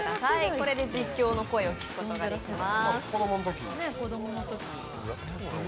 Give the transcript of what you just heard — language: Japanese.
これで実況を聞くことができます。